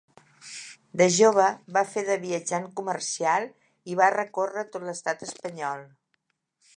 De jove va fer de viatjant comercial i va recórrer tot l'estat espanyol.